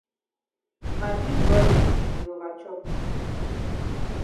Ma big broda di over chop.